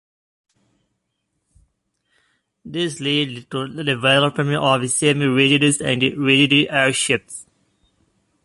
This led to the development of semi-rigids and rigid airships.